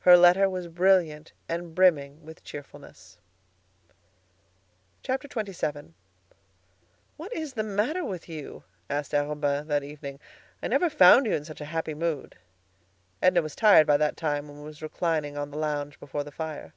Her letter was brilliant and brimming with cheerfulness. XXVII "What is the matter with you?" asked Arobin that evening. "I never found you in such a happy mood." Edna was tired by that time, and was reclining on the lounge before the fire.